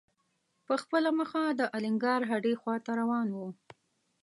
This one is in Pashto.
په خپله مخه د الینګار هډې خواته روان و.